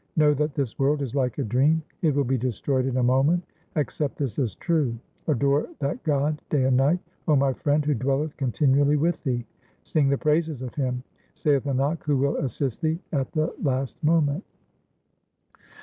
Know that this world is like a dream ; It will be destroyed in a moment ; accept this as true. Adore that God day and night, O my friend, Who dwelleth continually with thee. Sing the praises of Him, Saith Nanak, who will assist thee at the last moment.